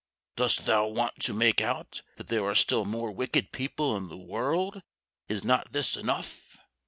Dost thou want to make out that there are still more wicked people in the world is not this enough?"